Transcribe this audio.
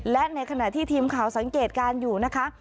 และในขณะที่ทีมข่าวสังเกตการณ์อยู่นะคะ